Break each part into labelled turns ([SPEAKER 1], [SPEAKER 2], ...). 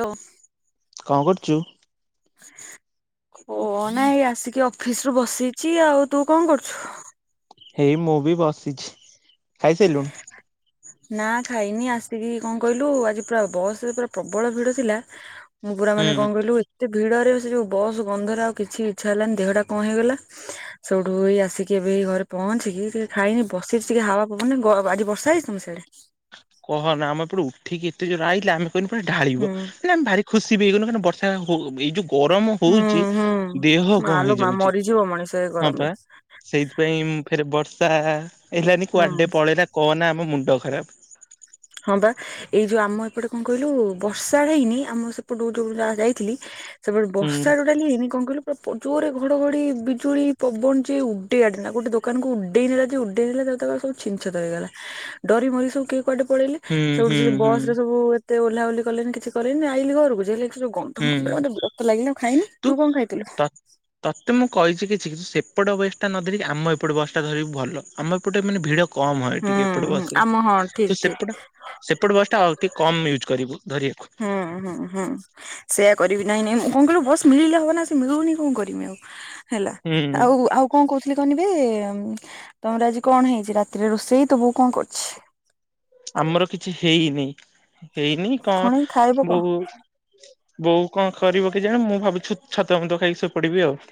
[SPEAKER 1] Hello
[SPEAKER 2] କଣ କରୁଛୁ?
[SPEAKER 1] ଓ ନାଇଁ ଆସିକି ଅଫିସ ରୁ ବସିଛି ଆଉ ତୁ କଣ କରୁଛୁ?
[SPEAKER 2] ହେଇ ମୁଁ ବି ବସିଛି। ଖାଇସାରିଲୁଣି?
[SPEAKER 1] ନା ଖାଇନି ଆସିକି କଣ କହିଲୁ ଆଜି ପୁରା ବସରେ ପୁରା ପ୍ରବଳ ଭିଡ ଥିଲା। ମୁଁ ପୁରା ମାନେ
[SPEAKER 2] ହୁଁ
[SPEAKER 1] କଣ କହିଲୁ ଏତେ ଭିଡ ଯଉ ବସ ଗନ୍ଧର ଆଉ କିଛି ଇଚ୍ଛା ହେଲାନି ଦେହଟା କଣ ହେଇଗଲା? ସେଉଠୁଇ ଆସିକି ଏବେ ହେଇ ଘରେ ପହଞ୍ଚିକି ଟିକେ ଖାଇନି ବସିି ଟିକେ ହାୱା ଆ ବର୍ଷା ହେଇଛି ତମ ସିୟାଡେ
[SPEAKER 2] ଠିକ ଏତେ ଜୋରେ ଆଇଲା ଆମେ ଢାଳିବ
[SPEAKER 1] ହୁଁ
[SPEAKER 2] ହେଲେ ଆମେ ଭାରି ଖୁସି ବି ହେଇଗଲୁ କା ବ ସେ ହ ଏଇ ଯଉ ଗରମ
[SPEAKER 1] ହୁଁ
[SPEAKER 2] ହଉଛି ଦେହ
[SPEAKER 1] ହୁଁ
[SPEAKER 2] କଣ
[SPEAKER 1] ମାଲୋ ମା
[SPEAKER 2] ହେଇଯାଉଛି?
[SPEAKER 1] ମରିଯିବ ମଣିଷ ଏ
[SPEAKER 2] ହଁ ପା
[SPEAKER 1] ଗରମରେ
[SPEAKER 2] ସେଇଥିପାଇଁ ମୁଁ ଫେରେ ବର୍ଷ ତା ହେଲାନି
[SPEAKER 1] ହୁଁ
[SPEAKER 2] କୁଆଡେ ପଳେଇଲା କହ ନା ଆମ ମୁ ଣ୍ଡ ଖରାପ । [unintelligible]
[SPEAKER 1] ହଁ ବା ଏଇ ଯୋଉ ଆମ ଏପଟେ କଣ କହିଲୁ ବର୍ଷା ହେଇନି ଆମ ସେପଟୁ ଯଉ ଯାହା ଯାଇଥିଲି ସେପଟ
[SPEAKER 2] ହୁଁ
[SPEAKER 1] ବର୍ଷା ଟୋଟାଲି ହେଇନି କଣ କହିଲୁ? ଜୋରେ ଘଡଘଡି, ବିଜୁଳି, ପବନ ଯେ ଉଡେଇଆଡେଇ ନେ ଗୋଟେ ଦୋକାନକୁ ଉଡେଇ ନେଲା ଯେ ଉଡେଇ ନେଲା ତା ତା ସବୁ ଛିଞ୍ଚ ଛତର ହେଇଗଲା ଡରି ମରି ସବୁ କିଏ କୁଆଡେ ପଳେଇଲେ
[SPEAKER 2] ହୁଁ
[SPEAKER 1] ସେଠୁ
[SPEAKER 2] ହୁଁ
[SPEAKER 1] ସେ
[SPEAKER 2] ହୁଁ
[SPEAKER 1] ବସ୍ ରେ ସବୁ ଓହ୍ଲା ଓହ୍ଲି କଲେନି କିଛି କଲେନି ଆଇଲିି ଘରକୁ ଯେଲି ଯଉ ଗନ୍ଧ
[SPEAKER 2] ହୁଁ
[SPEAKER 1] ମୋତେ ବିରକ୍ତ ଲାଗିଲା ଖାଇନି। ତୁ କଣ ଖାଇଥିଲୁ?
[SPEAKER 2] ତ ତତେ ମୁଁ କହିଛି କିଛି କିୁ ସେପଟ ବେସ୍ ଟା ନ ଧରିକି ଆମ ଏପଟେ ବସଟା ଧରିବୁ ଭଲ ଆମ ଏପଟେ ମାନେ ଭିଡ କମ୍ ହଏ
[SPEAKER 1] ହୁଁ
[SPEAKER 2] ଟିକେ ଏପଟେ
[SPEAKER 1] ହୁଁ
[SPEAKER 2] ବସଲେ
[SPEAKER 1] ଆମ ହଁ ଠିକ
[SPEAKER 2] ତ
[SPEAKER 1] ଠିକ।
[SPEAKER 2] ସେପଟ ସେପଟେ ବସ ଟା ଅଲ ଟିକେ କମ୍ ୟୁଜ୍ କରିବୁ। ଧରିବାକୁ।
[SPEAKER 1] ହଁ ହଁ ହଁ। ସେୟଆ କରିବି ନାଇଁ ନାଇ ମୁଁ କଣ କହିଲୁ ବସ ମିଳିଲେ ହବ ନା ସେ ମିଳୁନି କଣ କରିମି ଆଉ। ହେଲା
[SPEAKER 2] ହୁଁ
[SPEAKER 1] ଆଉ ଆଉ କଣ କହୁ କହନିବେ ତମର ଆଜି କଣ ହେଇଛି ରାତିରେ ରୋଷେଇ ତ ବୋଉ କଣ କରୁଛି?
[SPEAKER 2] ଆମର କିଛି ହେଇନି ହେଇନି କଣ
[SPEAKER 1] ପୁଣି ଖାଇବ କଣ
[SPEAKER 2] ବୋଉ ବୋଉ କଣ କରିବ କେ ଜାଣି ମୁଁ ଭାବୁଛ ଛତୁଆ ମତୁଆ ଖାଇକି ଶୋଇପଡିବି ଆଉ।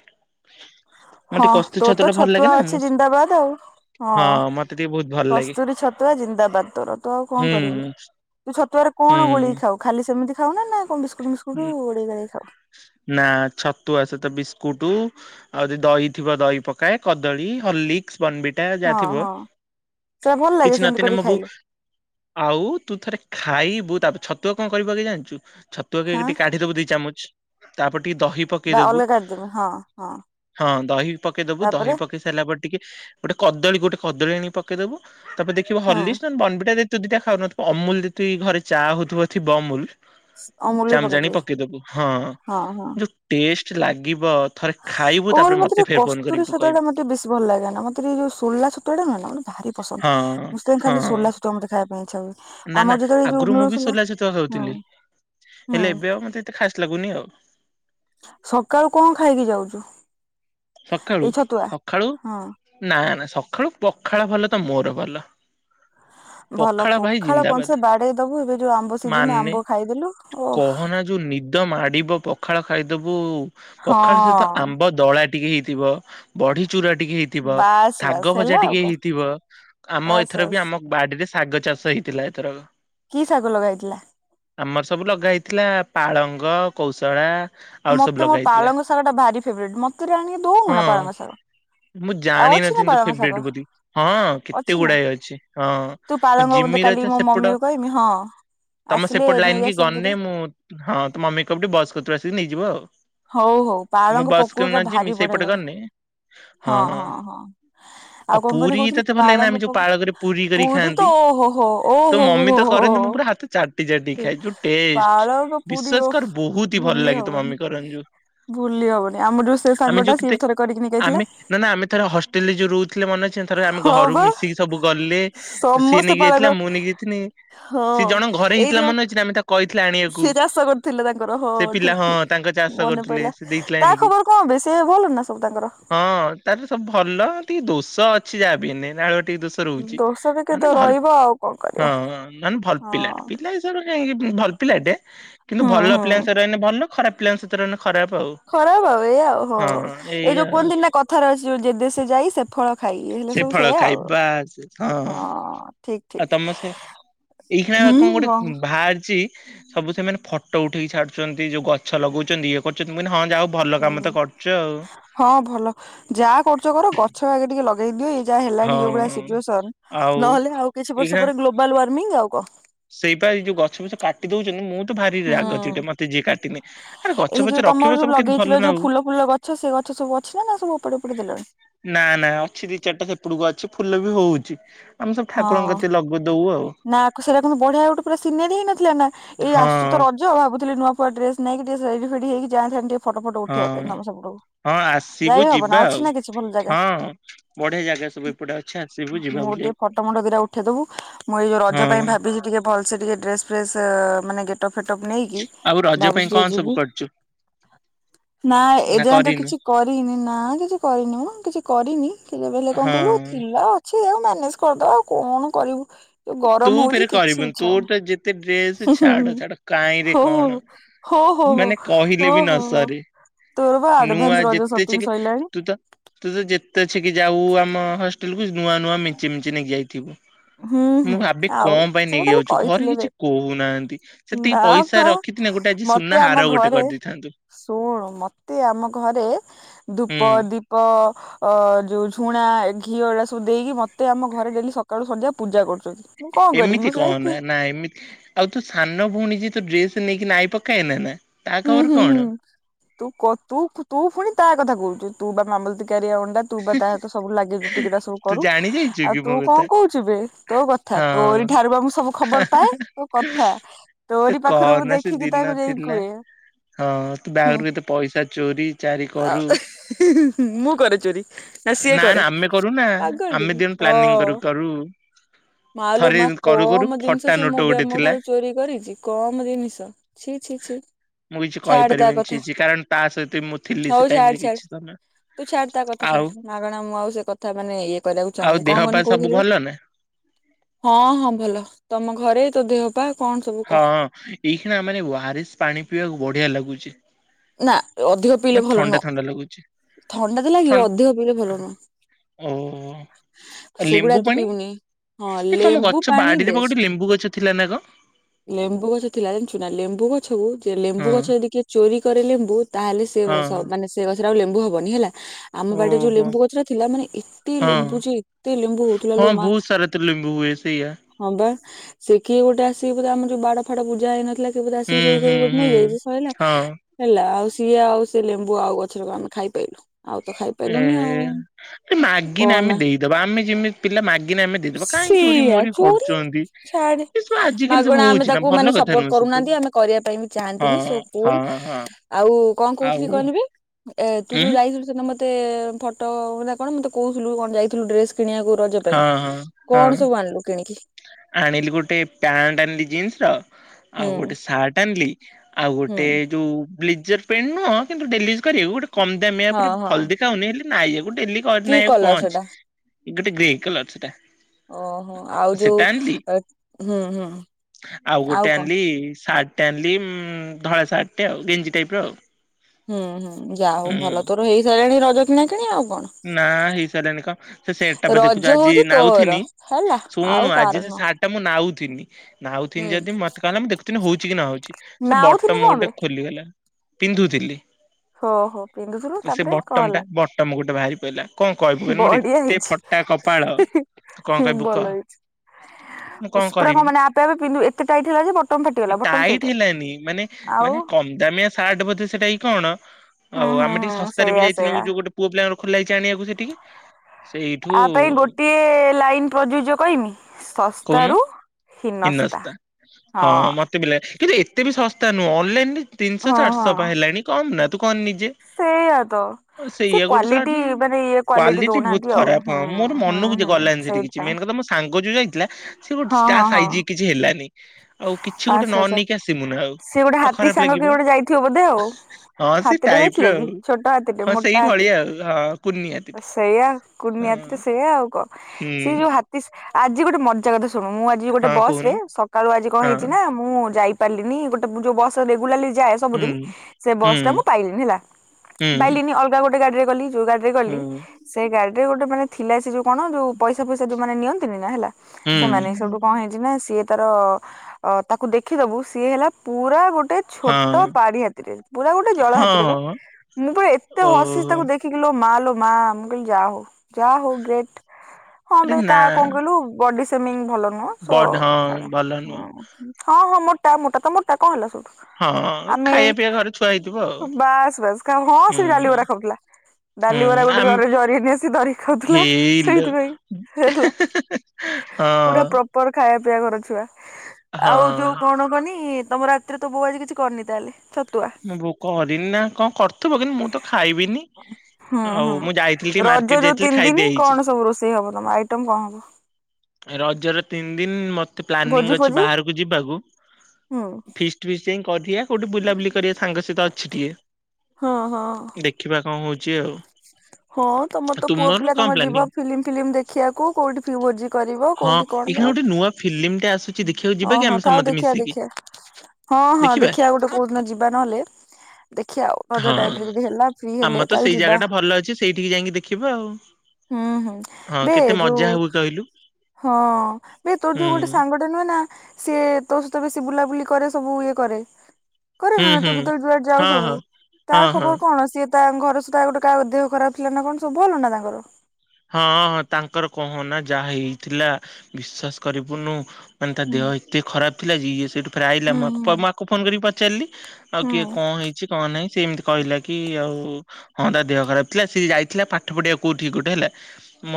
[SPEAKER 2] ମତେ
[SPEAKER 1] ହଁ
[SPEAKER 2] ଟିକେ କସ୍ତୁରୀ
[SPEAKER 1] ତୋର ତ
[SPEAKER 2] ଟା ଭଲ ଲାଗେ
[SPEAKER 1] ଛତୁଆ
[SPEAKER 2] ନା
[SPEAKER 1] ଅଛି
[SPEAKER 2] ମୁଁ
[SPEAKER 1] ଜିନ୍ଦାବାଦ। ଆଉ ହଁ
[SPEAKER 2] ମତେ ଟିକେ ବହୁତ ଭଲ ଲାଗେ
[SPEAKER 1] କସ୍ତୁରୀ ଛତୁଆ ଜିନ୍ଦାବାଦ। ତୋର ତୁ ଆଉ କଣ
[SPEAKER 2] ହୁଁ
[SPEAKER 1] କରିବୁ ତୁ ଛତୁଆରେ କଣ ଗୋଳେଇି
[SPEAKER 2] ହୁଁ।
[SPEAKER 1] ଖାଉ ଖାଲି ସେମିତି ହଣ ନା। କଣ ବିସ୍କୁଟ ମିସ୍କୁଟ ଗୋଳେଇ ଗାଳେଇ ଖାଉ
[SPEAKER 2] ନା ଛତୁଆ ସହିତ ବିସ୍କୁଟୁ। ଆଉ ଯଦି ଦହି ଥିବ ଦହି ପକାଏ କଦଳୀ, ହର୍ଲିକସ୍ ବନବିଟା ଯାହା
[SPEAKER 1] ହଁ
[SPEAKER 2] ଥିବ
[SPEAKER 1] ହଁ ସେଟା ଭଲ ଲାଗେ
[SPEAKER 2] କିଛି
[SPEAKER 1] ସେମିତି
[SPEAKER 2] ନଥିନେ
[SPEAKER 1] କରିକି
[SPEAKER 2] ମୋ ବୋ
[SPEAKER 1] ଖାଇଲେ
[SPEAKER 2] ଆଉ ତୁ ଥରେ ଖାଇ ବୁ ତାପ ଛତୁଆକୁ କଣ କରିବୁ ଆଗେ ଜାଣଚୁ? ଛୁତୁଆକେ ଏକ
[SPEAKER 1] ହଁ
[SPEAKER 2] ଟିକେ କାଢ଼ି ଦବୁ ଦି ଚାମଚ। ତାପଡ଼। ଟି ଦହି ପକେଇ
[SPEAKER 1] ବା
[SPEAKER 2] ଦବୁ
[SPEAKER 1] ଅଲଗା କାଢିଦେବି ହଁ ହଁ
[SPEAKER 2] ହଁ ଦହି ପକେଇ ଦବୁ ଦହି
[SPEAKER 1] ତାପରେ
[SPEAKER 2] ପକେଇ ସାରିଲା ପରେ ଟିକେ ଗୋଟେ କଦଳୀ ଗୋଟେ କଦ [unintelligible] ପକେଇଦବୁ। ତପରେ ଦେଖିବ
[SPEAKER 1] ହୁଁ
[SPEAKER 2] ହର୍ଲିସ ନା ବନବିଟା ଯଦିି ଦିଟା ଖାଉନଥିବୁ, ଅମୁଲ ଯେତିକି ଘରେ ଚା ହଉଥିବ ଥିବ ଅମୁଲ
[SPEAKER 1] ଅମୁଲ ବି
[SPEAKER 2] ଚାମଚା ଆଣି
[SPEAKER 1] ପକେଇଦେବି।
[SPEAKER 2] ପକେଇଦବୁ ହଁ
[SPEAKER 1] ହଁ ହଁ
[SPEAKER 2] ଯୋଉ ଟେଷ୍ଟ ସେ ଲାଗିବତ୍
[SPEAKER 1] କଣ ମତେ ତ କସ୍ତୁରି
[SPEAKER 2] ତୁ କହିବୁ।
[SPEAKER 1] ଛତୁଆଟା ମତେ ବେଶୀ ଭଲ ଲାଗେ ନା। ମତେ ଟିକେ ଯଉ ସୋଲା ଛତୁଆ ଟା ନୁହଁନା ମୋର ଭାରି ପସନ୍ଦ। ମୁଁ ସେଥିପାଇଁ ଖାଲି ସୋଲା ଛତୁଆ ମୋତେ ଖାଇବା ପାଇଁ ଇଚ୍ଛା ହୁଏ।
[SPEAKER 2] ନାଁ
[SPEAKER 1] ଆମର
[SPEAKER 2] ନାଁ
[SPEAKER 1] ଯେତେବେଳେ ଏଇ ଯୋଉ
[SPEAKER 2] ଆଗୁରୁ ମୁଁ ବି
[SPEAKER 1] ମିଳୁଥିଲା
[SPEAKER 2] ସୋଲା ଛତୁଆ
[SPEAKER 1] ହୁଁ
[SPEAKER 2] ଖାଉଥୁଲି
[SPEAKER 1] ହୁଁ
[SPEAKER 2] ହେଲେ ଏବେ ଆଉ ମତେ ଏତେ ଖାସ ଲାଗୁନି ଆଉ।
[SPEAKER 1] ସକାଳୁ କଣ ଖାଇକି ଯାଉଛୁ
[SPEAKER 2] ସକାଳୁ
[SPEAKER 1] ଏଇ ଛତୁଆ
[SPEAKER 2] ସଖାଳୁ
[SPEAKER 1] ହଁ
[SPEAKER 2] ନାଁ। ନାଁ ନାଁ ସଖାଳୁ ପଖାଳ ଭଲ ତ ମୋର ଭଲ।
[SPEAKER 1] ଭଲ
[SPEAKER 2] ଭାଇ
[SPEAKER 1] ପଖାଳ
[SPEAKER 2] ଜିନ୍ଦାବାଦ
[SPEAKER 1] କଂସେ ବାଡ଼େଇ ଦବୁ ଏବେ ଯୋଉ ଆମ୍ବ ସିଜିନିରେ
[SPEAKER 2] ମାନେ
[SPEAKER 1] ଆମ୍ବ ଖାଇଦେଲୁ ଓଃ।
[SPEAKER 2] କହନା ଉ
[SPEAKER 1] ହଁ
[SPEAKER 2] ପଖାଳ ସହିତ ଆମ୍ବ ଦଳା ଟିକେ ହେଇଥିବ। ବଢ଼ି ଚୁରା ଟିକେ ହେଇଥିବ
[SPEAKER 1] ବାସ୍ ବାସ୍
[SPEAKER 2] ଶାଗ ଭଜା
[SPEAKER 1] ହେଲା ଆଉ
[SPEAKER 2] ଟିକେ
[SPEAKER 1] କଣ
[SPEAKER 2] ହେଇଥିବ। ଆମ
[SPEAKER 1] ବାସ୍
[SPEAKER 2] ଏଥର ବି
[SPEAKER 1] ବାସ୍
[SPEAKER 2] ଆମ ବାଡି଼ରେ ଶାଗ ଚାଷ ହେଇଥିଲା ଏଥରକ।
[SPEAKER 1] କି ଶାଗ ଲଗା ହେଇଥିଲା?
[SPEAKER 2] ଆମର ସବୁ ଲଗା ହେଇଥିଲା ପାଳଙ୍ଗ କୌଶଳା। ଆହୁରି ସବୁ
[SPEAKER 1] ମତେ ମୋ
[SPEAKER 2] ଲଗା ହେଇଥିଲା
[SPEAKER 1] ପାଳଙ୍ଗ ଶାଗଟା ଭାରି ଫେବରେଟ୍ ମ
[SPEAKER 2] ହଁ ମୁଁ
[SPEAKER 1] ଆଉ ଅଛି ନା
[SPEAKER 2] ଜାଣିିନଥିଲି ତୋ
[SPEAKER 1] ପାଳଙ୍ଗ ଶାଗ
[SPEAKER 2] ଫେବ୍ରେଟ ବୋଲି। ହଁ କେତେ
[SPEAKER 1] ଅଛି ନା
[SPEAKER 2] ଗୁଡ଼ାଏ ଅଛି। ହଁ
[SPEAKER 1] ତୁ
[SPEAKER 2] ମୁଁ
[SPEAKER 1] ପାଳଙ୍ଗ ମତେ
[SPEAKER 2] ଯିମି
[SPEAKER 1] କାଲି
[SPEAKER 2] ରଇଥ
[SPEAKER 1] ମୋ ମମି
[SPEAKER 2] ସେପଟ
[SPEAKER 1] କୁ କହିମି ହଁ
[SPEAKER 2] ତମ
[SPEAKER 1] ଆସିଲେ
[SPEAKER 2] ସେପଟ ଲାଇନ
[SPEAKER 1] ନେଇ
[SPEAKER 2] କି
[SPEAKER 1] ଆସିବୁ
[SPEAKER 2] ଗନେ
[SPEAKER 1] ଦିଟା
[SPEAKER 2] ମୁଁ ହଁ ତ ମମିକୁ କହିବୁ ଟିଏ ବସ୍ କତୁରୁ ଆସି ନେଇଯିବ ଆଉ।
[SPEAKER 1] ହଉ ହୋଉ ପାଳଙ୍ଗ ପ
[SPEAKER 2] ବସ୍ କୁ ନ
[SPEAKER 1] କୁଡ଼ିରା
[SPEAKER 2] ଯିମି
[SPEAKER 1] ଭାରି ବଢ଼ିଆ
[SPEAKER 2] ସେଇପଟେ
[SPEAKER 1] ଲାଗେ।
[SPEAKER 2] ଗନେ
[SPEAKER 1] ହଁ ହଁ ହଁ ଆଉ କଁ କହନି
[SPEAKER 2] ପୁରୀ
[SPEAKER 1] କୋଉଥିଲି
[SPEAKER 2] ତତେ ଭଲ ଲାଗେନା ଆମେ
[SPEAKER 1] ପାଳଙ୍ଗ
[SPEAKER 2] ଯୋଉ
[SPEAKER 1] ପ
[SPEAKER 2] ପାଳକରେ କରିକି
[SPEAKER 1] ପୁରୀ ତ
[SPEAKER 2] ଖାଆନ୍ତି।
[SPEAKER 1] ଓ ହୋ ହୋ
[SPEAKER 2] ତୋ
[SPEAKER 1] ଓହୋ ହୋ
[SPEAKER 2] ମମି
[SPEAKER 1] ହୋ
[SPEAKER 2] ତ
[SPEAKER 1] ହୋ ହୋ।
[SPEAKER 2] କରନ୍ତି ମୁଁ ପୁରା ହାତ ଚାଟି ଚାଟି
[SPEAKER 1] ହୁ
[SPEAKER 2] ଖାଏ ଯୋଉ ଟେଷ୍ଟ।
[SPEAKER 1] ପାଳଗ ପୁରୀ
[SPEAKER 2] ବିଶ୍ଵାସ କର
[SPEAKER 1] ଓଫ୍
[SPEAKER 2] ବହୁତ ହି ଭଲ
[SPEAKER 1] ଭୁଲି
[SPEAKER 2] ଲାଗେ ତୋ
[SPEAKER 1] ହବନି
[SPEAKER 2] ମମି କରନ୍ତି ଯୋଉ
[SPEAKER 1] ଭୁଲି ହବନି ଆମ ଯୋଉ ସେ
[SPEAKER 2] ଆମେ
[SPEAKER 1] ସାଙ୍ଗ ଟା
[SPEAKER 2] ଯୋଉ
[SPEAKER 1] ସିଏ
[SPEAKER 2] କେତେ
[SPEAKER 1] ବି ଥରେ କରିକି ନେଇକି ଆଇଥିଲା
[SPEAKER 2] ଆମେ ନାଁ ନାଁ ଆମେ ଥରେ ହଷ୍ଟେଲ୍ ରେ ଯୋଉ ରୋଉଥୁଲେ ମନେଅ ସେଁ ଥର ଆମେ
[SPEAKER 1] ହଁ
[SPEAKER 2] ଘରୁ
[SPEAKER 1] ବା
[SPEAKER 2] ମିଶିକି ସବୁ ଗଲେ ଯେ ସିଏ
[SPEAKER 1] ସମସ୍ତେ
[SPEAKER 2] ନେଇକି ଯାଇଥିଲା
[SPEAKER 1] ପାଳଙ୍ଗ
[SPEAKER 2] ମୁଁ ନେଇକି ଯାଇଥିନି।
[SPEAKER 1] ହଁ
[SPEAKER 2] ସିଏ ଜଣଙ୍କ ଘରେ
[SPEAKER 1] ଏଇ
[SPEAKER 2] ହେଇଥିଲା
[SPEAKER 1] ଯୋଉ
[SPEAKER 2] ମନେ ଅଛି ନାଁ ଆମେ ତା
[SPEAKER 1] ସେ ଚାଷ କରିଥିଲେ ତାଙ୍କର ହଁ
[SPEAKER 2] ସେ ପିଲା
[SPEAKER 1] ଠିକ୍
[SPEAKER 2] ହଁ ତାଙ୍କ ଚାଷ
[SPEAKER 1] ଠିକ୍ ମନେ
[SPEAKER 2] କରୁଥିଲେ
[SPEAKER 1] ପଇଲା
[SPEAKER 2] ସେ ଦେଇଥିଲା
[SPEAKER 1] ତା
[SPEAKER 2] ଆଣିକି।
[SPEAKER 1] ଖବର କଣ ବେ ସେ ଭଲ ନା ସବୁ ତାଙ୍କର
[SPEAKER 2] ହଁ ତାର ସବୁ ଭଲ ଟିକେ ଦୋଷ ଅଛି ଯାହା ବିି ହେନେ ନାଳ ଟିଏ ଦୋଷ ରହୁଚି।
[SPEAKER 1] ଦୋଷ ଟିକେ
[SPEAKER 2] ମାନେ
[SPEAKER 1] ତ
[SPEAKER 2] ଭଲ
[SPEAKER 1] ରହିବ ଆଉ କଣ
[SPEAKER 2] ହଁ
[SPEAKER 1] କରିବା
[SPEAKER 2] ହଁ ମାନେ ଭଲ ପିଲାଟେ
[SPEAKER 1] ହଁ
[SPEAKER 2] ପିଲା ହିସାବରେ କାହିଁକି ଉଁ ଭଲ ପିଲାଟେ କିନ୍ତୁ
[SPEAKER 1] ହୁଁ
[SPEAKER 2] ଭଲ ପିଲାଙ୍କ
[SPEAKER 1] ହୁଁ
[SPEAKER 2] ସହ ରହିନେ ଭଲ ଖରାପ ପିଲାଙ୍କ ସହିତ ରହିନେ ଖରାପ ଆଉ
[SPEAKER 1] ଖରାପ ଆଉ ଏଇ ଆଉ ହୋ
[SPEAKER 2] ହଁ
[SPEAKER 1] ଏଇ
[SPEAKER 2] ଏଇଆ।
[SPEAKER 1] ଯୋଉ କୁହନ୍ତିନା କଥାରେ ଅଛି ଯୋଉ ଦେଶେ ଯାଇ ସେ ଫଳ ଖାଇ ଇଏ ହେଲେ
[SPEAKER 2] ସେ
[SPEAKER 1] ସବୁ
[SPEAKER 2] ଫଳ
[SPEAKER 1] ସେଇଆ ଆଉ
[SPEAKER 2] ଖାଇବା ସେ
[SPEAKER 1] ହଁ ଠିକ୍
[SPEAKER 2] ଆଉ
[SPEAKER 1] ଠିକ୍
[SPEAKER 2] ତମ ସେ ଏଇଖିଣା
[SPEAKER 1] ହୁଁ
[SPEAKER 2] କଣ ଗୋଟେ
[SPEAKER 1] ହଁ ।
[SPEAKER 2] ବାହାରିଛି ସବୁ ସେମାନେ ଫଟ ଉଠେଇକି ଛାଡୁଚନ୍ତି ଯୋଉ ଗଛ ଲଗୋଉଚନ୍ତି ଇଏ କରୁଚନ୍ତି ମୁଁ କହିନି ହଁ ଯହା ହୋଉ ଭଲ କାମ
[SPEAKER 1] ହୁଁ
[SPEAKER 2] ତ କରୁଛ ଆଉ।
[SPEAKER 1] ହଁ ଭଲ ଯାଆ କରୁଚ କର ଗଛ ଆଗେ ଟିକେ ଲଗେଇ ଦେଇ ଯାହା ହେଲାଣି ଯଉଭଳିଆ
[SPEAKER 2] ହଁ
[SPEAKER 1] ସିଛୁଏସନ
[SPEAKER 2] ଆଉ
[SPEAKER 1] ନ ହେଲେ ଆଉ କିଛି ବର୍ଷ
[SPEAKER 2] ଏଇଖିଣା
[SPEAKER 1] ପରେ ଗ୍ଲୋବାଲ ବୋର୍ଲଡ ମିଙ୍ଗ ଆଓ କହ
[SPEAKER 2] ସେଇପା ଏ ଯୋଉ ଗଛ ଫଛ କାଟି ଦଉଛନ୍ତି ମୁଁ ଭାରି ରାଗ
[SPEAKER 1] ହୁଁ।
[SPEAKER 2] ଚିଡ଼େ ମତେ ଯିଏ କାଟିିଲେ ଆରେ ଗଛ
[SPEAKER 1] ଏଇ ଯୋଉ
[SPEAKER 2] ପଛ
[SPEAKER 1] ତମର
[SPEAKER 2] ରଖିବ
[SPEAKER 1] ଯୋଉ
[SPEAKER 2] ସବୁ କେତେ
[SPEAKER 1] ଲଗେଇଥିଲ
[SPEAKER 2] ଭଲ ନା
[SPEAKER 1] ଯୋଉ
[SPEAKER 2] ଆଉ।
[SPEAKER 1] ଫୁଲ ଫୁଲ ଗଛ ସେ ଗଛ ସବୁ ଅଛି ନା ନା ସବୁ ଓପାଡି ଓପାଡି ଦେଲଣି?
[SPEAKER 2] ନା ନା ଅଛି ଦି ଚାରିଟା ସେପଟକୁ ଅଛି। ଫୁଲ ବି ହଉଛି। ଆମେ ସବୁ ଠାକୁରଙ୍କ
[SPEAKER 1] ହଁ
[SPEAKER 2] କତିରେ ଲଗୁ ଦଉ ଆଉ।
[SPEAKER 1] ନା ସେଇଟା କିନ୍ତୁ ବଢିଆ ଗୋଟେ ପୁର ସିନେରି ହେଇ ନଥିଲା ନା ଏଇ ଆସୁ ତ
[SPEAKER 2] ହଁ
[SPEAKER 1] ରଜ ଭାବୁିଥିଲି ନୂଆ ପର ଡ୍ରେସ୍ ନେଇକି ଡ୍ରେସ୍ ରେଡି ଫେଡି ହେଇି ଯାଇଥାନ୍ତି ଆମେ ଟିକେ ଫଟୋ ଫଟୋ ଉଠେଇବା ପାଇଁ
[SPEAKER 2] ହଁ
[SPEAKER 1] ତମ ସେପଟକୁ।
[SPEAKER 2] ହଁ
[SPEAKER 1] ଯାଇ
[SPEAKER 2] ଆସିବୁ
[SPEAKER 1] ହବ ନା
[SPEAKER 2] ଯିବା
[SPEAKER 1] ଅଛି
[SPEAKER 2] ଆଉ
[SPEAKER 1] ନା କିଛି ଭଲ ଜାଗା?
[SPEAKER 2] ହଁ ବଢିଆ ଜାଗା ସବୁ ଏପଟେ ଅଛି ଆସିବୁ ଯିବା ବୁଲି
[SPEAKER 1] ଫଟମଣ୍ଡ ଦିଇାଟା ଉଠେଇଦବୁ ମୁଁଇ ଯୋଉ ରଜ ପାଇଁ
[SPEAKER 2] ହଁ
[SPEAKER 1] ଭାବିଛି ଟିକେ ଭଲ ସେ ଟିକେ ଡ୍ରେସ୍ ଫ୍ରେସ୍ ମାନେ ତୋ ଫେଟୋ ନେଇକି
[SPEAKER 2] ଆଉ ରଜ ପାଇଁ
[SPEAKER 1] ଭାବୁଛି ଟିକେ
[SPEAKER 2] କଣ ସବୁ
[SPEAKER 1] ଯିବି
[SPEAKER 2] କରିଛୁ?
[SPEAKER 1] ନା ଏଯାଏ ତ କିଛି କରିନି ନା କିଛି କରିନି ମୁଁ କିଛି କରିନି ବଲେ କଣ କହିଲୁ
[SPEAKER 2] ହଁ।
[SPEAKER 1] ଥିଲା ଅଛି। କରିଦେ ଆଉ କଣ କରିବୁ? ଯୋଉ
[SPEAKER 2] ତୁ
[SPEAKER 1] ଗରମ ହଉଛି
[SPEAKER 2] ଫେରେ
[SPEAKER 1] କିଛି
[SPEAKER 2] କରିବୁନି
[SPEAKER 1] ଇଚ୍ଛା
[SPEAKER 2] ତୋର ତ ଯେତେ ଡ୍ରେସ୍ ଛାଡ
[SPEAKER 1] ହଉନି
[SPEAKER 2] ଛାଡ କାହିଁ ରେ
[SPEAKER 1] ହଉ
[SPEAKER 2] କଣ
[SPEAKER 1] ହଉ ହୋ ହୋ ହୋ
[SPEAKER 2] ମାନେ କହିଲେ
[SPEAKER 1] ଓ
[SPEAKER 2] ବି ନ
[SPEAKER 1] ହୋ ହୋ
[SPEAKER 2] ସରେ
[SPEAKER 1] ତୋର ବା
[SPEAKER 2] ନୂଆ
[SPEAKER 1] ଆଡଭାନ୍ସ ରଜ
[SPEAKER 2] ଯେତେ
[SPEAKER 1] ସପିଙ୍ଗ
[SPEAKER 2] ଛେକ
[SPEAKER 1] ସରିଲାଣି
[SPEAKER 2] ତୁ ତ ତୁ ତ ଯେତେ ଛେକ ଯାଉ ଆମ ହଷ୍ଟେଲ ନୂଆ ନୂଆ ମେନ୍ଚେ ମେନ୍ଚେ ନେଇକି ଯାଇଛି। [inaudible]
[SPEAKER 1] ହୁଁ ହୁଁ ଆଉ ସବୁ ଖାଲି
[SPEAKER 2] ଘରେ
[SPEAKER 1] କହିଥିଲେ ବେ
[SPEAKER 2] କିଛି କହୁନାହାନ୍ତି। ସେତିକି
[SPEAKER 1] ନା
[SPEAKER 2] ପଇସା
[SPEAKER 1] ପା
[SPEAKER 2] ରଖିଥିଲେ ଗୋଟେ ଆଜି ସୁନା
[SPEAKER 1] ମତେ
[SPEAKER 2] ହାର
[SPEAKER 1] ଆମ
[SPEAKER 2] ଗୋଟେ
[SPEAKER 1] ଘରେ
[SPEAKER 2] କରିଦେଇଥାନ୍ତୁ
[SPEAKER 1] ଶୁଣ ମତେ ଆମ ଘରେ ଧୂପ
[SPEAKER 2] ହୁଁ
[SPEAKER 1] ଦୀପ ଅ ଯୋଉ ଝୁଣା, ଘିଅ ଏଗୁଡା ସବୁ ଦେଇକି ମତେ ଆମ ଘରେ ଡେଲି ସକା ସକାଳୁ ସନ୍ଧ୍ୟା ପୂଜା କରୁଛନ୍ତି। ମୁଁ କଣ କରିବି ମୁଁ
[SPEAKER 2] ଏମିତି
[SPEAKER 1] ସେ
[SPEAKER 2] କହ
[SPEAKER 1] କି
[SPEAKER 2] ନା, ନା ଏମିତି ଆଉ ତୁ ସାନ ଭଉଣୀ ଯେ ତୋ ଡ୍ରେସ ନେଇକିନା ଆଇ ପକାଏ ନା ନା ତା
[SPEAKER 1] ହୁଁ
[SPEAKER 2] ଖବର
[SPEAKER 1] ହୁଁ
[SPEAKER 2] କଣ?
[SPEAKER 1] ହୁଁ ତୁ କ ତୁ ତୁ ପୁଣି ତା କଥା କହୁଛୁ। ତୁ ବା ମାମଲତି କାରିଆ ଅଣ୍ଡା ତୁ ବା ତା ହାତରେ ସବୁ ଲାଗିଛୁ ଟିକେଟା ସବୁ
[SPEAKER 2] ତୁ
[SPEAKER 1] କରୁ
[SPEAKER 2] ଜାଣି ଯାଇଛୁ
[SPEAKER 1] ଆଉ
[SPEAKER 2] କି ମୋ
[SPEAKER 1] ତୁ
[SPEAKER 2] କଥା
[SPEAKER 1] କଣ କହୁଛୁ ବେ, ତୋ କଥା
[SPEAKER 2] ହଁ।
[SPEAKER 1] ତୋରି ଠାରୁ ବା ମୁଁ ସବୁ ଖବର ପାଏ, ତୋ କଥା
[SPEAKER 2] ତୁ
[SPEAKER 1] ତୋରି ପାଖରୁ ମୁ
[SPEAKER 2] କହନା ସେ
[SPEAKER 1] ଦେଖିକି
[SPEAKER 2] ଦିନ
[SPEAKER 1] ତାକୁ ଯାଇଁ
[SPEAKER 2] ଥିଲା
[SPEAKER 1] କୁହେ
[SPEAKER 2] ହଁ ତୁ ବ୍ୟାଗ୍
[SPEAKER 1] ହୁଁ।
[SPEAKER 2] ରୁ କେତେ ପଇସା ଚୋରି ଚାରି କରୁ
[SPEAKER 1] ମୁଁ କରେ ଚୋରି ନା ସେ କରେ ପାଗଳ
[SPEAKER 2] ଆମେ
[SPEAKER 1] କି
[SPEAKER 2] ଦି ଜଣ
[SPEAKER 1] ହଁ
[SPEAKER 2] ପ୍ଲାନିଂ କରୁ କରୁ।
[SPEAKER 1] ମାଲୋ
[SPEAKER 2] ଥରେ
[SPEAKER 1] ମା
[SPEAKER 2] କରୁ କରୁ
[SPEAKER 1] କମ
[SPEAKER 2] ଫଟା
[SPEAKER 1] ଜିନିଷ ସେ
[SPEAKER 2] ନୋଟ
[SPEAKER 1] ମୋ
[SPEAKER 2] ଗୋଟେ
[SPEAKER 1] ବ୍ୟାଗ୍ ମୋ
[SPEAKER 2] ଥିଲା।
[SPEAKER 1] ଠାରୁ ଚୋରି କରିଛି କମ ଜିନିଷ ଛି ଛି ଛି
[SPEAKER 2] ମୁଁ କିଛି
[SPEAKER 1] ଛାଡେ ତା
[SPEAKER 2] କହିପାରିବିନି
[SPEAKER 1] କଥା
[SPEAKER 2] ଛି ଛି କାରଣ ତା ସହିତ ମୁଁ ଥିଲି ସେ
[SPEAKER 1] ହଉ
[SPEAKER 2] ଟାଇମ୍
[SPEAKER 1] ଛାଡ
[SPEAKER 2] ରେ
[SPEAKER 1] ଛାଡ।
[SPEAKER 2] କିଛି ମାନେ
[SPEAKER 1] [unintelligible] ମାଗଣା ମୁଁ ଆଉ ସେ କଥା ମାନେ ଇଏ କରିବାକୁ
[SPEAKER 2] ଆଉ
[SPEAKER 1] ଚାହୁଁନି କଣ
[SPEAKER 2] ଦେହ ପା
[SPEAKER 1] ନନି
[SPEAKER 2] ସବୁ
[SPEAKER 1] କହୁଥିଲୁ
[SPEAKER 2] ଭଲ ନା?
[SPEAKER 1] ହଁ ହଁ ଭଲ ତମ ଘରେ ତୋ ଦେହ ପା କଣ ସବୁ
[SPEAKER 2] ହଁ
[SPEAKER 1] କହ
[SPEAKER 2] ଏଇ ଖିଣା ମାନେ ଓ ଆରେସ୍ ପାଣି ପିଇିବାକୁ ବଢିଆ ଲାଗୁଛି ।
[SPEAKER 1] ନା ଅଧିକ ପିଇଲେ ଭଲ ନୁହଁ
[SPEAKER 2] ଥଣ୍ଡା ଲାଗୁଛି
[SPEAKER 1] ଥଣ୍ଡା ତ
[SPEAKER 2] ଥ
[SPEAKER 1] ଲାଗିବ ଅଧିକ ପିଇଲେ ଭଲ ନୁହଁ
[SPEAKER 2] ଓ
[SPEAKER 1] ସେଗୁଡା
[SPEAKER 2] ଲେମ୍ବୁ
[SPEAKER 1] ଏତେ
[SPEAKER 2] ପାଣି
[SPEAKER 1] ପିଇଉନି ହଁ
[SPEAKER 2] ଏ ତମ
[SPEAKER 1] ଲେମ୍ବୁ
[SPEAKER 2] ଗଛ
[SPEAKER 1] ପାଣି
[SPEAKER 2] ବାଡିରେ ବା ଗୋଟେ
[SPEAKER 1] ବେଷ୍ଟ୍
[SPEAKER 2] ଲେମ୍ବୁ ଗଛ ଥିଲା ନା କଣ?
[SPEAKER 1] ଲେମ୍ବୁ ଗଛ ଥିଲା ଜାଣିଛୁ ନା ଲେମ୍ବୁ ଗଛ କୁ
[SPEAKER 2] ହଁ
[SPEAKER 1] ଲେମ୍ବୁ ଗଛ ଯଦି କିଏ ଚୋରି କରିଲା ବହୁତ ତାହେଲେ ସେ
[SPEAKER 2] ହଁ
[SPEAKER 1] [inaudible] ମାନେ ସେ ଏଥର ଆଉ ଲେମ୍ବୁ ହବନି ହେଲା। ଆମ ବାଡ଼ିରେ ଯୋଉ
[SPEAKER 2] ଓହୋ
[SPEAKER 1] ଲେମ୍ବୁ ଗଛଟା ଥିଲା ମାନେ ଏତେ
[SPEAKER 2] ହଁ
[SPEAKER 1] ଲେମ୍ବୁ ଯେ ଏତେ ଲେମ୍ବୁ ହୋଉଥିଲା
[SPEAKER 2] ହଁ
[SPEAKER 1] ଲୋ ମା।
[SPEAKER 2] ବହୁତ ସାରା ତ ଲେମ୍ବୁ ହୁଏ ସେଇଆ।
[SPEAKER 1] ହଁ ବା। ସେ କିିଏ ଗୋଟେ ଆସିକି ବୋଧେ ଆମ ଯୋଉ ବାଡ଼ ଫାଡ଼ ବୁଜା ହେଇନଥିଲା କିଏ ବୋଧେ
[SPEAKER 2] ହୁଁ
[SPEAKER 1] ଆସିକି ଚୋରି
[SPEAKER 2] ହୁଁ
[SPEAKER 1] କରିକି ଗୋଟେ
[SPEAKER 2] ହୁଁ
[SPEAKER 1] ନେଇଯାଇଛି ସଇଲା।
[SPEAKER 2] ହଁ
[SPEAKER 1] ଆଉ ସିଏ ଆଉ ସେ ଲେମ୍ବୁ ଆଉ ଗଛରେ କଣ ଆମେ ଖାଇପାଇଲୁ। ଆଉ ତ
[SPEAKER 2] ଏ
[SPEAKER 1] ଖାଇପାଇଲୁନି ଆଉ।
[SPEAKER 2] ସେ
[SPEAKER 1] ତୁ
[SPEAKER 2] ମାଗିନେ ଆମେ
[SPEAKER 1] କହନା
[SPEAKER 2] ଦେଇଦବା ଆମେ ଯେମିତି ପିଲା ମାଗିନେ ଆମେ ଦେଇଦବା। କାଇଁ ଚୋରି
[SPEAKER 1] ସେଇଆ
[SPEAKER 2] ମୋରି
[SPEAKER 1] ଚୋରି
[SPEAKER 2] କରୁଚନ୍ତି।
[SPEAKER 1] ଛାଡେ
[SPEAKER 2] ଏ ସବୁ ଆଜିକାଲି
[SPEAKER 1] ମାଗଣା
[SPEAKER 2] ସବୁ
[SPEAKER 1] ଆମେ
[SPEAKER 2] ହଉଚି ନା
[SPEAKER 1] ତାକୁ ମାନେ
[SPEAKER 2] ଭଲ କଥା
[SPEAKER 1] ସପୋର୍ଟ
[SPEAKER 2] ନୁହେଁ ସେ
[SPEAKER 1] କରୁନାହାନ୍ତି
[SPEAKER 2] ସବୁ।
[SPEAKER 1] ଆମେ କରିବା ପାଇଁ ବି ଚାହାନ୍ତିନି ସୋ
[SPEAKER 2] ହଁ
[SPEAKER 1] କୁଲ
[SPEAKER 2] ହଁ। ହଁ
[SPEAKER 1] ଆଉ କଣ
[SPEAKER 2] ଆଉ
[SPEAKER 1] କୋହୁଥିଲି କହନି ବେ ଏ ତୁ
[SPEAKER 2] ଉଁ
[SPEAKER 1] ଯୋଉ ଯାଇଥିଲୁ ସେଦିନ ମତେ ଫଟ କଥା କଣ ମତେ କୋଉଥୁଲୁ କଣ ଯାଇଥିଲୁ ଡ୍ରେସ କିଣିବାକୁ ରଜ
[SPEAKER 2] ହଁ
[SPEAKER 1] ପାଇଁ
[SPEAKER 2] ହଁ ହଁ
[SPEAKER 1] କଣ ସବୁ ଆଣିଲୁ କିଣିକି?
[SPEAKER 2] ଆଣିଲି ଗୋଟେ ପ୍ୟାଣ୍ଟ ଆଣିଲି ଜିନ୍ସ ର ଆଉ
[SPEAKER 1] ହୁଁ
[SPEAKER 2] ଗୋଟେ ସାର୍ଟ ଆଣିଲି ଆଉ
[SPEAKER 1] ହୁଁ
[SPEAKER 2] ଗୋଟେ ଯୋଉ ବ୍ଲିଜର୍ ପେଣ୍ଟ ନୁହଁ କିନ୍ତୁ ଡେଲି ୟୁଜ କରିବାକୁ ଗୋଟେ କମ୍ ଦାମିଆ
[SPEAKER 1] ହଁ
[SPEAKER 2] ପରେ
[SPEAKER 1] ହଁ
[SPEAKER 2] ଭଲ୍ ଦେଖା ହୋଉନି ହେଲେ ନାଇଁ ଯେ ଗୋଟ୍ ଡେଲି ଘରେ
[SPEAKER 1] କି
[SPEAKER 2] ନାଇବାକୁ
[SPEAKER 1] କଲର
[SPEAKER 2] କଣ ଅଛି।
[SPEAKER 1] ସେଟା?
[SPEAKER 2] ଇ ଗୋଟେ ଗ୍ରେ କଲର୍ ସେଟା।
[SPEAKER 1] ଓହୋ ଆଉ ଯୋଉ
[SPEAKER 2] ସେଟା ଆଣିଲି
[SPEAKER 1] ହୁଁ ହୁଁ
[SPEAKER 2] ଗୋଟେ
[SPEAKER 1] ଆଉ କଣ?
[SPEAKER 2] ଆଣିଲି ସାର୍ଟ ଟେ ଆଣିଲି ଧଳା ସାର୍ଟ ଟେ ଆଉ ଗେଞ୍ଜି ଟାଇପ୍ ର ଆଉ।
[SPEAKER 1] ହୁଁ ହୁଁ। ଯା ହୋଉ
[SPEAKER 2] ହୁଁ।
[SPEAKER 1] ଭଲ ତୋର ହେଇ ସାରିଲାଣି ର କିଣା କିଣି ଆଉ। କଣ
[SPEAKER 2] ନା ହେଇସାରିଲାଣି କଣ। ସେ ସେଟ୍ ଟା ବା
[SPEAKER 1] ରଜ
[SPEAKER 2] ଦେଖୁଚୁ ଆଜି
[SPEAKER 1] ହଉଛି ତୋର
[SPEAKER 2] ନାଉଥିନି।
[SPEAKER 1] ହେଲା ଆଉ
[SPEAKER 2] ଶୁଣୁ ଆଜି
[SPEAKER 1] କାର
[SPEAKER 2] ସେ
[SPEAKER 1] ନୁହଁ
[SPEAKER 2] ସାର୍ଟ ଟା ମୁଁ ନାଉଥିନି ନାଉଥିନି
[SPEAKER 1] ହୁଁ
[SPEAKER 2] ଯଦି ମତେ କଣ ହେଲା ମୁଁ ଦେଖୁିଥିନି ହୋଉଚି କି ନ ହୋଉଚି ସେ
[SPEAKER 1] ନାଉଥିନି କଣ
[SPEAKER 2] ବଟମ
[SPEAKER 1] ବେ
[SPEAKER 2] ଗୋଟେ ଖୋଲିଗଲା। ପିନ୍ଧୁଥିଲି।
[SPEAKER 1] ହୋ ହୋ ପିନ୍ଧୁଥୁଲୁ
[SPEAKER 2] ସେ
[SPEAKER 1] ତାପରେ କଣ
[SPEAKER 2] ବଟମ
[SPEAKER 1] ହେଲା।
[SPEAKER 2] ବଟମ ଗୋଟେ ଟା ବାହାରି ପଇଲା। କଣ କହିବୁ କନି ମୋରୋ
[SPEAKER 1] ବଢିଆ
[SPEAKER 2] ଏତେ
[SPEAKER 1] ହେଇଛି
[SPEAKER 2] ଫଟା କପାଳ ତୁ କଣ କଇବୁ କ।
[SPEAKER 1] ଭଲ ହେଇଛି।
[SPEAKER 2] ମୁଁ କଣ
[SPEAKER 1] ପୁରା
[SPEAKER 2] କରମି।
[SPEAKER 1] ମାନେ ଆପେ ଆପେ ପିନ୍ଧୁ ଏତେ ଟାଇଟ୍ ହେଲା ଯେ ବଟମ ଫାଟିଗଲା ବଟମ
[SPEAKER 2] ଟାଇଟ୍
[SPEAKER 1] ସହିତ।
[SPEAKER 2] ହେଲାନି ମାନେ
[SPEAKER 1] ଆଉ
[SPEAKER 2] ମାନେ କମ୍ ଦାମିଆ ସାର୍ଟ ବୋଧେ ସେଟା କି କଣ।
[SPEAKER 1] ହୁଁ
[SPEAKER 2] ଆଉ
[SPEAKER 1] ହୁଁ
[SPEAKER 2] ଆମେ ଟିକେ
[SPEAKER 1] ହୁଁ
[SPEAKER 2] ଶସ୍ତାରେ ବି
[SPEAKER 1] ସେଇଆ
[SPEAKER 2] ଯାଇଥିଲୁ
[SPEAKER 1] ସେଇଆ।
[SPEAKER 2] ଯୋଉ ଗୋଟେ ପୁଅ ପିଲାଙ୍କର [unintelligible] ସେଠିକି ସେଇଠୁ
[SPEAKER 1] ଆ ପାଇଁ ଗୋଟିଏ ଲାଇନ୍ ପ୍ରଯୁଜ୍ୟ କଇମି ଶସ୍ତା
[SPEAKER 2] କହୁନୁ
[SPEAKER 1] ରୁ ହିନସ୍ତା ହଁ।
[SPEAKER 2] ମତେ ବି ଲାଗେ କିନ୍ତୁ ଏତେ ବି ଶସ୍ତା ନୁଅ ଅନଲାଇନ୍ ରେ ତିନିଶ ଚାରିଶ ପା ହେଲାଣି କମ୍ ନା। ତୁ କନି
[SPEAKER 1] ସେଇଆା ତ ସେ କ୍ଵାଲିଟ୍
[SPEAKER 2] ହୁଁ କ୍ୱାଲିଟି ବୋହୁତ ଖରାପ
[SPEAKER 1] ହୁଁ
[SPEAKER 2] ହଁ। ମୋରୋ
[SPEAKER 1] ହୁଁ
[SPEAKER 2] ମନକୁ ଯେ
[SPEAKER 1] ହୁଁ
[SPEAKER 2] ଗଲାଣି ସେଠି କିଛି
[SPEAKER 1] ସେଇଥିପାଇଁ।
[SPEAKER 2] ମେନ୍ କଥା ମୋ ସାନ୍ ଙ୍ଗ ଯୋଉ ଯାଇଥିଲା ସେଏ ଗୋଟ
[SPEAKER 1] ହଁ
[SPEAKER 2] ତା
[SPEAKER 1] ହଁ ହଁ
[SPEAKER 2] ସାଇଜି କିଛି ହେଲାନି। ଆଉ କିଛି ଗୋଟେ ନ
[SPEAKER 1] ଆଚ୍ଛା ଆଚଛା
[SPEAKER 2] ନେଇକି ଆସିବୁ ନା ଆଉ।
[SPEAKER 1] ସି ଗୋଟେ
[SPEAKER 2] ପୁରା
[SPEAKER 1] ହାତୀ
[SPEAKER 2] ଖରାପ
[SPEAKER 1] ସାଙ୍ଗ କି
[SPEAKER 2] ଲାଗିବ
[SPEAKER 1] ଗୋଟେ ଯାଇଥିବ ବୋଧେ ଆଉ
[SPEAKER 2] ହଁ ସେ
[SPEAKER 1] ହାତୀଟେ
[SPEAKER 2] ଟାଇପ
[SPEAKER 1] ଯାଇଥିଲେ
[SPEAKER 2] ର
[SPEAKER 1] କି
[SPEAKER 2] ଆଉ
[SPEAKER 1] ଛୋଟ ହାତୀଟେ
[SPEAKER 2] ହଁ
[SPEAKER 1] ମୋଟା ହାତୀ।
[SPEAKER 2] ସେଇଭଳିଆ ଆଉ ହଁ କୁନିଆତିଟେ।
[SPEAKER 1] ସେଇଆ
[SPEAKER 2] ହଁ
[SPEAKER 1] କୁନିହାତିତ ସେଇୟା ଆଉ କଣ ସେ ଯୋଉ
[SPEAKER 2] ହୁଁ
[SPEAKER 1] ହାତୀ ଆଜି ଗୋଟେ ମଜା କଥା ସୁ ତ ମୁଁ ଆଜି ଗୋଟେ
[SPEAKER 2] ହଁ
[SPEAKER 1] ବସ ରେ
[SPEAKER 2] କହୁନୁ
[SPEAKER 1] ସ ଆଜି କଣ ହେଇଚି
[SPEAKER 2] ହଁ
[SPEAKER 1] ନା ମୁଁ ମୁଁ ଯାଇ ପାରିଲିନି ଗୋଟେ ମୁଁ ଯୋଉ ବସ ତ ରେଗୁଲାଲି ଯାଏ
[SPEAKER 2] ହୁଁ
[SPEAKER 1] ସବୁଦିନି ସେ
[SPEAKER 2] ହୁଁ
[SPEAKER 1] ବସ୍ ଟା ମୁଁ ପାଇଲିନି ହେଲା
[SPEAKER 2] ହୁଁ।
[SPEAKER 1] ପାଇଲିନି ଅଲଗା ଗୋଟେ ଗାଡିରେ ଗଲି। ଯୋଉ ଗାଡି ରେ ଗଲି
[SPEAKER 2] ହୁଁ
[SPEAKER 1] ସେଇ ଗାଡି ଏ ଗୋଟେ ମାନ ଥିଲା ସେ ଯୋଉ କଣ ଯୋଉ ପଇସା ଫଇସା ଯଉ ମାନ ନିଅନ୍ତିନି ନା ହେଲା
[SPEAKER 2] ହୁଁ
[SPEAKER 1] ସେମାନେ ସବୁ କଣ ହେଇଛି ନା ସିଏ ତାର ତାକୁ ଦେଖିଦବୁ ସିଏ ହେଲା ପୁରା ଗୋଟ ଟେ
[SPEAKER 2] ହଁ
[SPEAKER 1] ଛୋଟ ପାରି ହାତିଟେ ପୁରା ଗୋଟେ ଜଳ ହାତୀଟେ ବା
[SPEAKER 2] ହଁ
[SPEAKER 1] ମୁଁ ପା ଏତେ ହସିଚି
[SPEAKER 2] ଓହୋ
[SPEAKER 1] ତାକୁ ଦେଖିକି ଲୋ ମା ଲୋ ମା ମୁ କହିଲି ଯା ହ ଯା ହଉ ଗ୍ରେଟ। ହଁ
[SPEAKER 2] ଆରେ
[SPEAKER 1] ବେ
[SPEAKER 2] ନା
[SPEAKER 1] କାଆ କଣ କହିଲୁ ବଡି ସୁମିଙ୍ଗ ଭଲ। ନୁଅ ସୋ
[SPEAKER 2] ବଡ୍ ହଁ
[SPEAKER 1] ଛାଡ
[SPEAKER 2] ଭଲ ନୁହଁ।
[SPEAKER 1] ହୁଁ ହଁ ହଁ ମୋ ଟା ମୋଟା ତ ମୋଟା କଅଁ ହେଲା ସେଇ
[SPEAKER 2] ହଁ
[SPEAKER 1] ଆମେ
[SPEAKER 2] ଖାଇବା
[SPEAKER 1] ଏଇ
[SPEAKER 2] ପିଇବା ଘରେ ଛୁଆ ହେଇଥିବ ଆଉ।
[SPEAKER 1] ବାସ୍ ବାସ୍ କା ହଁ
[SPEAKER 2] ହୁଁ
[SPEAKER 1] ସେ ଡାଲି ବରା ଖାଉଥିଲା ଡାଲି ବରା
[SPEAKER 2] ହୁଁ
[SPEAKER 1] ଗୋଟେ
[SPEAKER 2] ଆମ୍
[SPEAKER 1] ଜରିରେ ଜରିଏ ନେଇଆସିଚି ଧରିକି ଖାଉଥିଲା
[SPEAKER 2] ହେଇଲୋ
[SPEAKER 1] ସେଇଥିପାଇଁ ହେଲା
[SPEAKER 2] ହଁ
[SPEAKER 1] ପୁରା ପ୍ରପର ଖାଇବା ସେ ଘର ଛୁଆ। ଆଉ
[SPEAKER 2] ହଁ।
[SPEAKER 1] ଯୋଉ କଣ କନି ତମ ରାତିରେ ତୋ ବୋଉ ଆଜି କିଛି କରିନି ତାହେଲେ ଛ
[SPEAKER 2] ଭୋକ ମରିନି ନା କଣ କରୁଥୁବ କିନ୍ତୁ ମୁଁ ତ ଖାଇବିନି
[SPEAKER 1] ହୁଁ
[SPEAKER 2] ଆଉ
[SPEAKER 1] ହୁଁ।
[SPEAKER 2] ମୁଁ ଯାଇଥିଲି ଟିକେ
[SPEAKER 1] ରଜ
[SPEAKER 2] ମାର୍କେଟ
[SPEAKER 1] ଯୋଉ
[SPEAKER 2] ଯାଇଥିଲି
[SPEAKER 1] ତିନି ଦିନି
[SPEAKER 2] ଖାଇଦିଇ ଆଇଚି,
[SPEAKER 1] କଣ ସବୁ ରୋଷେଇ ହବ ତମ ଆଇଟମ କଣ ହବ
[SPEAKER 2] ରଜର ତିନି ଦିନି ମତ୍ ମତେ ପ୍ଲାନିଂ
[SPEAKER 1] ଭୋଜି
[SPEAKER 2] ଅଛି
[SPEAKER 1] ଫୋଜି
[SPEAKER 2] ବାହାରକୁ ଯିବାକୁ
[SPEAKER 1] ହୁଁ।
[SPEAKER 2] ଫିଷ୍ଟ ଫିଷ୍ଟିଙ୍ଗି କରିିଥିଆ। କୋଉଠିୁ ବୁଲାବୁ ସାଙ୍ଗସହିତ ଅଛି
[SPEAKER 1] ହଁ ହଁ।
[SPEAKER 2] ଟିକେ ଦେଖିବା କଣ ହୋଉଚି। ଚି ଆଉ
[SPEAKER 1] ହଁ ତମର
[SPEAKER 2] ଆଉ
[SPEAKER 1] ତ ପୁଅ
[SPEAKER 2] ତୁମର
[SPEAKER 1] ପିଲା
[SPEAKER 2] କଣ
[SPEAKER 1] ତମର ଯିବ
[SPEAKER 2] ପ୍ଲାନିଂ?
[SPEAKER 1] ଫିଲ୍ମ ଫିଲିମ ଦେଖିବାକୁ କୋଉଠି ଫି ଭୋଜି କରିବ
[SPEAKER 2] ହଁ
[SPEAKER 1] କୋଉଠି କଣ
[SPEAKER 2] ଏଇଖିନେ
[SPEAKER 1] ତମର
[SPEAKER 2] ଗୋଟେ ନୂଆ ଫିଲ୍ମ ଟା ଆସୁ
[SPEAKER 1] ହଁ ହଁ ଥାଉ ଆଉ ଦେଖିବା ଦେଖିବା ହଁ ହଁ ଦେଖିବା ଗୋଟେ କୋଉ ଦିନ ଯିବା ନହେଲେ ଦେଖିବା ରଜ
[SPEAKER 2] ହଁ।
[SPEAKER 1] ଟାଇରେ ଯଦି ହେଲା ଫ୍ରି ହେଲେ
[SPEAKER 2] ଆମର ତ
[SPEAKER 1] ତାହଲେ
[SPEAKER 2] ସେଇ
[SPEAKER 1] ଯିବା
[SPEAKER 2] ଜାଗା ଟା ଭଲ ଅଛି ସେଇଠିକି ଯାଇକି ଦେଖିବା ଆଉ।
[SPEAKER 1] ହୁଁ ହୁଁ
[SPEAKER 2] ହଁ
[SPEAKER 1] ବେ
[SPEAKER 2] କେତେ
[SPEAKER 1] ଯୋଉ
[SPEAKER 2] ମଜା ହୁଏ କହିଲୁ
[SPEAKER 1] ହଁ ବେ ତୋର
[SPEAKER 2] ହୁଁ
[SPEAKER 1] ଯୋଉ ଗୋଟେ ସାଙ୍ଗଟେ ନୁହେଁ ନା ସିଏ ତୋ ସହିତ ବେଶୀ ବୁଲାବୁଲି କରେ ସବୁ ଇଏ କରେ।
[SPEAKER 2] ହୁଁ
[SPEAKER 1] କରେନି ନା
[SPEAKER 2] ହୁଁ।
[SPEAKER 1] ତୁ ଯେତେବେଳେ ଯୁଆଡେ ଯାଉ
[SPEAKER 2] ହଁ
[SPEAKER 1] ସବୁ
[SPEAKER 2] ହଁ
[SPEAKER 1] ତା
[SPEAKER 2] ହଁ ହଁ
[SPEAKER 1] ଖବର କଣ ସି ତାଙ୍କ ଘର ସୁଧା ଗୋଟେ କାହା ଦେହ ଖରାପ ଥିଲା ନା କଣ ସବୁ ଭଲ ନା ତାଙ୍କର?
[SPEAKER 2] ହଁ ହଁ ତାଙ୍କର କହନା ଯାହା ହେଇଥିଲା ବିଶ୍ଵାସ କରିବୁନୁ। ମାନେ ତା
[SPEAKER 1] ହୁଁ
[SPEAKER 2] ଦେହ ଏତେ ଖରାପ। ଥିଲା ଯେ ଇଏ ସେଇ ଥରେ ଆଇଲ
[SPEAKER 1] ହୁଁ
[SPEAKER 2] ମତେ
[SPEAKER 1] ହୁଁ
[SPEAKER 2] [unintelligible] ମୁଁ ଆକୁ ଫୋନ କରିିବ ପ ଚଲି ଆଉ
[SPEAKER 1] ହୁଁ
[SPEAKER 2] କିଏ କଣ ହେଇଚି କଣ ନାଇ‌ଁ। ସେ ଏମିତି କହିଲା କି ଆଉ ହଁ ତା ଦେହ ଖରାପ ଥିଲା ସେ ଯାଇଥିଲା ପାଠ ପଢିବା କୁ କୋଉଠି ଗୋଟେ ହେଲା।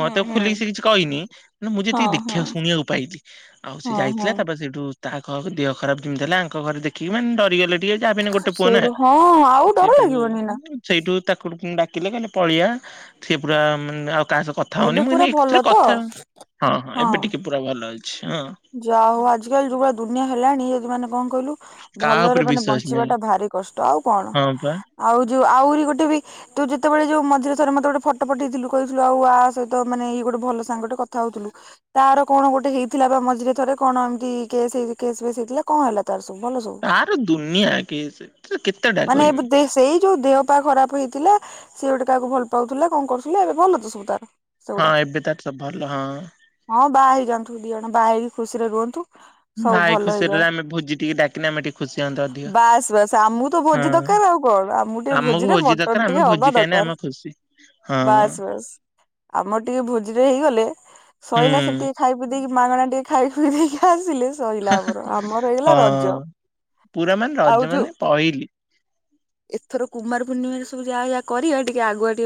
[SPEAKER 1] ହୁଁ
[SPEAKER 2] ଖୋଲିକି
[SPEAKER 1] ହୁଁ
[SPEAKER 2] ସେ କିଛି କହିନି ମ ମୁଁ ଯେତିକି
[SPEAKER 1] ହଁ ହଁ
[SPEAKER 2] ଦେଖିବାକୁ ଶୁଣିବାକୁ ପାଇଲି ଆଉ ସେ
[SPEAKER 1] ହଁ
[SPEAKER 2] ଯାଇଥିଲା
[SPEAKER 1] ହଁ
[SPEAKER 2] ତାପରେ ସେଇଠୁ ତାହା ଖରକୁ ଦେହ ଖରାପ ଯେମିତି ହେଲା ଆଙ୍କ ଘରେ ଦେଖିକି ମାନେ ଡରିଗଲେ। ଠିକ ଅଛି ଯାହାବି ହେଲେ ଗୋଟେ ପୁଅ ନା
[SPEAKER 1] ସେଇଠୁ ହଁ ଆଉ ଡର
[SPEAKER 2] ସେଇଠୁ
[SPEAKER 1] ଲାଗିବନି ନା
[SPEAKER 2] ସେଇଠୁ ତା ଡାକିଲେ କହିଲେ ପଳିଆ ସେ ପୁରା ଆଉ ତା ସହ କଥା ହୋଅନି
[SPEAKER 1] ଏବେ
[SPEAKER 2] ମୁଁ କହିନି
[SPEAKER 1] ପୁରା
[SPEAKER 2] ଏଥିରେ
[SPEAKER 1] ଭଲ ତ
[SPEAKER 2] କଥା ହଁ ହଁ ଏବେ ଟିକେ ପୁରା ଭଲ ଅଛି। ହଁ
[SPEAKER 1] ଯାହା ହୋଉ ଆଜି କାଲି ଯୁଗ ଦୁନଆଁ ହେଲାଣି ଯଦି ମା କଣ କହିଲୁ
[SPEAKER 2] କାହା
[SPEAKER 1] ଭଲରେ
[SPEAKER 2] ଉପରେ
[SPEAKER 1] ମାନେ
[SPEAKER 2] ବିଶ୍ଵାସ ନାହିଁ
[SPEAKER 1] ବଞ୍ଚିବାଟା ଭାରି କଷ୍ଟ ଆଉ କଣ
[SPEAKER 2] ହଁ ପା।
[SPEAKER 1] ଆଉ ଯୋଉ ଆହୁରି ଗୋଟେ ବି ତୁ ଯେତେବେଳେ ଯୋଉ ମିଝି ଥରେ ମତେ ଗୋଟେ ଫଟୋ ପଠେଇଥିଲୁ କହିଥିଲୁ ଆଉ ଆ ସହିତ ତୋ ମାନେ ଏଇ ଗୋଟେ ଭଲ ସାଙ୍ଗଟେ କଥା ହୋଉଥିଲୁ ତାର କଣ ଗୋଟେ ହେଇଥିଲା ବା ମ ଝିରେ ଥରେ କଣ ଏମିତି କେସ୍ କେସ୍ ବେସ୍ ହେଇଥିଲା କଣ ହେଲା ତାର ସବୁ ଭଲ ସବୁ
[SPEAKER 2] ତାର ଦୁନିଆ କେସେ ସେ କେତେଟା
[SPEAKER 1] ମାନେ ଏବେ
[SPEAKER 2] କହମି।
[SPEAKER 1] ଦେ ସେଇ ଯୋଉ ଦେହ ପା ଖରାପ ହେଇଥିଲା ସିଏ ଗୋଟେ କାହାକୁ ଭଲ ପାଉଥିଲା କଣ କରୁଥିଲେ ଏବେ ଭଲ ତୋ ସବୁ ତାର
[SPEAKER 2] ହଁ
[SPEAKER 1] ସେଗୁଡା
[SPEAKER 2] ଏବେ ତାର ସବୁ ଭଲ ହଁ।
[SPEAKER 1] ହଁ ବାହା ହେଇ ଯାଆନ୍ତୁ ଦି ବାହା ଖୁସିରେ ରୁହନ୍ତୁ। ସବୁ
[SPEAKER 2] ଭାଇ
[SPEAKER 1] ଭଲ
[SPEAKER 2] ଖୁସି
[SPEAKER 1] ହେଇଯାଉ
[SPEAKER 2] ହେଲେ ଆମେ ଭୋଜି ଟିକେ ଡାକିଲେ ଆମେ ଟିକେ ଖୁସି ହଅନ୍ତେ ଅଧିକ
[SPEAKER 1] ବାସ୍ ବାସ୍ ଆମକୁ ତ ଭୋଜି
[SPEAKER 2] ହଁ।
[SPEAKER 1] ଦରକାର ଆଉ କଣ ଆମ ଟିକେ
[SPEAKER 2] ଆମକୁ
[SPEAKER 1] ଭୋଜିରେ
[SPEAKER 2] ଭୋଜି
[SPEAKER 1] ମଟନ
[SPEAKER 2] ଦରକାର ଆମେ
[SPEAKER 1] ଟିକେ ହବା
[SPEAKER 2] ଭୋଜି ଖାଇଲେ
[SPEAKER 1] ଦରକାର
[SPEAKER 2] ଆମେ ଖୁସି ହଁ
[SPEAKER 1] ବାସ୍ ବାସ୍ ଆମର ଟିକେ ଭୋଜି ରେ ହେଇଗ ଗଲେ
[SPEAKER 2] ହୁଁ
[SPEAKER 1] ଶୋଇଲା ସେ ଟିକେ ଖାଇ ପି ଦେଇେଇକି ମାଗଣା ଟିକେ ଖାଇ ଫୁଇ ଦେଖା ଆସିଲେ ସରିଲା ଆମର ଆମର ହେଇଗଲା ରଜ
[SPEAKER 2] ହଁ ପୁରା ମାନେ
[SPEAKER 1] ଆଉ
[SPEAKER 2] ରଜ
[SPEAKER 1] ଯୋଉ
[SPEAKER 2] ମାନେ ପହିଲି।
[SPEAKER 1] ଏଥର କୁମାର ପୂର୍ଣ୍ଣିମ ସ ଯାହା ଯା କରିବା ଟିକେ ଆଗୁଆ ଟିକେ